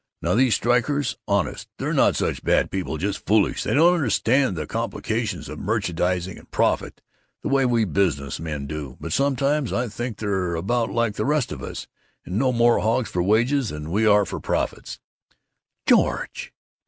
Now, these strikers: Honest, they're not such bad people. Just foolish. They don't understand the complications of merchandizing and profit, the way we business men do, but sometimes I think they're about like the rest of us, and no more hogs for wages than we are for profits." "George!